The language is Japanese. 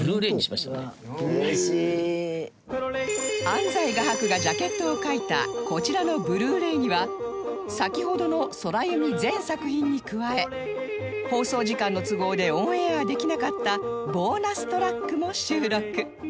安斎画伯がジャケットを描いたこちらの Ｂｌｕ−ｒａｙ には先ほどの空ユミ全作品に加え放送時間の都合でオンエアできなかったボーナストラックも収録